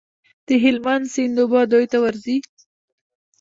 د هلمند سیند اوبه دوی ته ورځي.